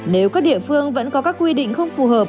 nếu các địa phương vẫn có các quy định không phù hợp